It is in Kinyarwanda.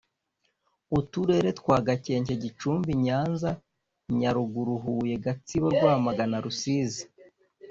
uturere twa gakenke gicumbi nyanza nyaruguru huye gatsibo rwamagana rusizi